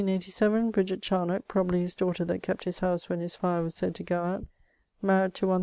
1587 Bridget Charnock (probably his daughter that kept his house when his fire was sayd to go out), marryed to one